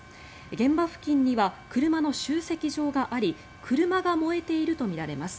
現場付近には車の集積場があり車が燃えているとみられます。